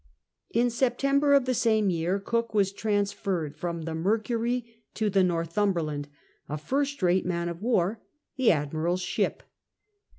In September of the same year Cook was trans ferred from the Mmury to the Northumberland, a first rate man of war, the Admiral's ship.